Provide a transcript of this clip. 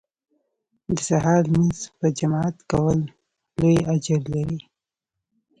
د سهار لمونځ په جماعت کول لوی اجر لري